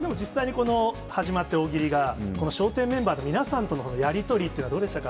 でも実際にこの始まって、大喜利が、笑点メンバーの皆さんとのやり取りっていうのはどうでしたか？